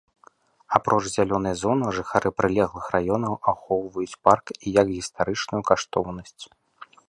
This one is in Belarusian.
Апроч зялёнай зоны, жыхары прылеглых раёнаў ахоўваюць парк і як гістарычную каштоўнасць.